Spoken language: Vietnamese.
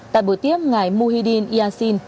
tại buổi tiếp ngài muhyiddin yassin